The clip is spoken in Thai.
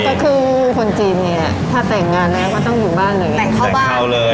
วันก่อนคือคนจีนถ้าแต่งงานแล้วก็ต้องอยู่บ้านเลย